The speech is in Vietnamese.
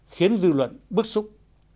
khiến dư luận bức xúc